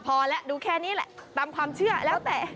พอแล้วดูแค่นี้แหละตามความเชื่อแล้วแต่